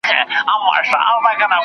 بېخبره مي هېر کړي نعمتونه